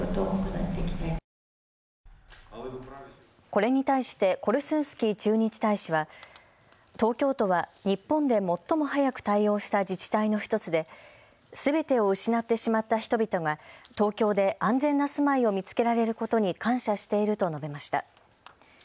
これに対してコルスンスキー駐日大使は東京都は日本で最も早く対応した自治体の１つですべてを失ってしまった人々が東京で安全な住まいを見つけられることに感謝していると述べました。